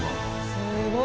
すごい。